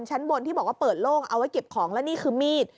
ชั้นบนที่บอกว่าเปิดโล่งเอาไว้เก็บของและนี่คือมีด